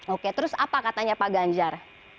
oke terus apa katanya pak ganjar